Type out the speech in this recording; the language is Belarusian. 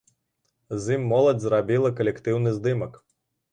З ім моладзь зрабіла калектыўны здымак.